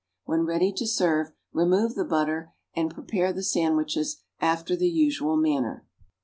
When ready to serve, remove the butter and prepare the sandwiches after the usual manner.